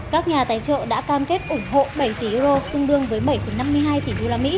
các nhà tài trợ đã cam kết ủng hộ bảy tỷ euro tương đương với bảy năm mươi hai tỷ usd